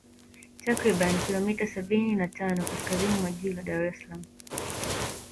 Takribani kilomita sabini na tano kaskaziini mwa Jiji la Daressalaam